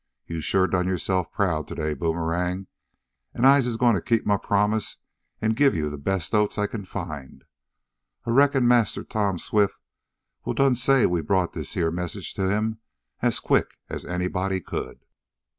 Yo' sho' done yo'se'f proud t'day, Boomerang, an' I'se gwine t' keep mah promise an' gib yo' de bestest oats I kin find. Ah reckon Massa Tom Swift will done say we brought dis yeah message t' him as quick as anybody could."